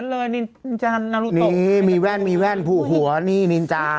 นินจานารูโตนี่มีแว่นผมมีแว่นพลูกหัวนินจา